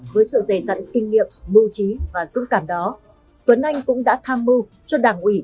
với sự dề dặn kinh nghiệm mưu trí và dũng cảm đó tuấn anh cũng đã tham mưu cho đảng ủy